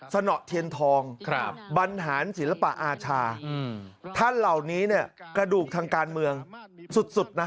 สนเทียนทองบรรหารศิลปะอาชาท่านเหล่านี้เนี่ยกระดูกทางการเมืองสุดนะ